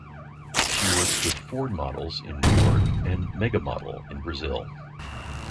She works with Ford Models in New York and Mega Model in Brazil.